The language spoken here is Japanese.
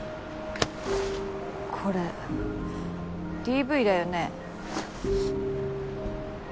これＤＶだよね？